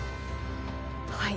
はい。